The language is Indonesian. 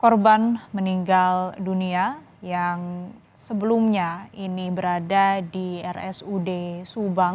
korban meninggal dunia yang sebelumnya ini berada di rsud subang